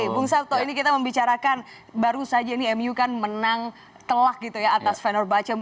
bung sabtoh ini kita membicarakan baru saja ini mu kan menang telak gitu ya atas vanor bacem empat satu